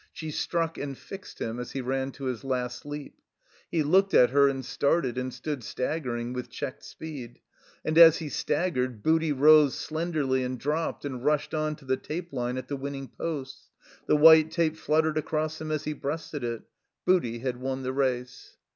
She struck and fixed him as he ran to his last leap. He looked at her and started and stood staggering with checked speed. And as he staggered Booty rose slenderly and dropped and rushed on to the tape line at the winning posts. The white tape fluttered across him as he breasted it. Booty had won the race.